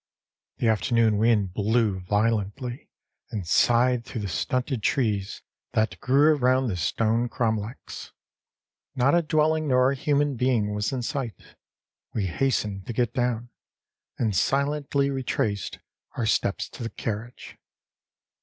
The afternoon wind blew violently, and sighed through the stunted trees that grew around the stone cromlechs; not a dwelling nor a human being was in sight. We hastened to get down, and silently retraced our steps to the carriage.